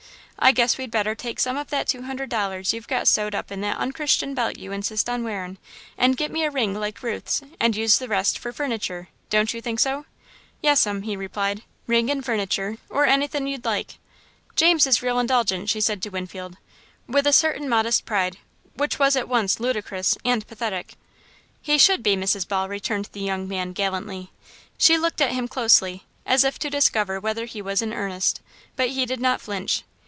I guess we'd better take some of that two hundred dollars you've got sewed up in that unchristian belt you insist on wearin' and get me a ring like Ruth's, and use the rest for furniture, don't you think so?" "Yes'm," he replied. "Ring and furniture or anythin' you'd like." "James is real indulgent," she said to Winfield, with a certain modest pride which was at once ludicrous and pathetic. "He should be, Mrs. Ball," returned the young man, gallantly. She looked at him closely, as if to discover whether he was in earnest, but he did not flinch.